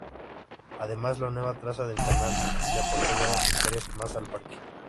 Además, la nueva traza del canal le aportó varias hectáreas más al parque.